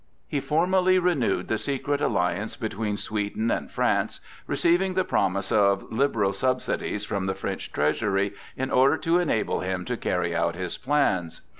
He formally renewed the secret alliance between Sweden and France, receiving the promise of liberal subsidies from the French treasury in order to enable him to carry out his plans.